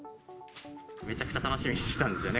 めちゃくちゃ楽しみにしてたんですよね。